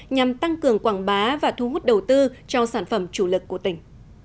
nhằm tăng cường quảng bá và thu hút đầu tư cho sản phẩm chủ lực của tỉnh